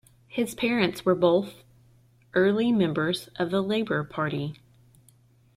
His parents were both early members of the Labour Party.